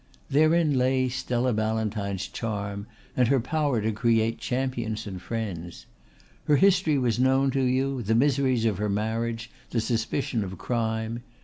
Therein lay Stella Ballantyne's charm, and her power to create champions and friends. Her history was known to you, the miseries of her marriage, the suspicion of crime.